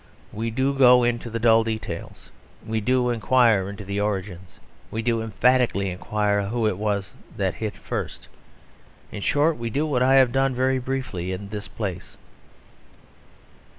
We do go into the dull details; we do enquire into the origins; we do emphatically enquire who it was that hit first. In short we do what I have done very briefly in this place.